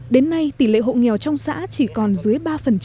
đến nay tỷ lệ hộ nghèo trong xã chỉ còn dưới ba